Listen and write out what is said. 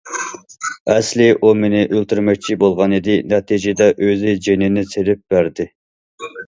ئەسلى ئۇ مېنى ئۆلتۈرمەكچى بولغانىدى، نەتىجىدە ئۆزى جېنىنى سېلىپ بەردى.